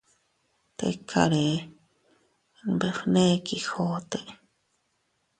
—Tikaree— nbefne Quijote—.